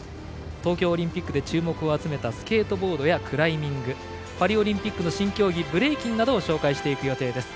東京オリンピックで注目を集めたスケートボードやクライミングパリオリンピックの新競技ブレイキンなどを紹介していく予定です。